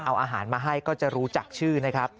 เอาอาหารมาให้ก็จะรู้จักชื่อนะครับ